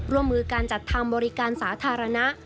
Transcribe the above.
ร่วมมือการจัดทำบริการสาธารณะ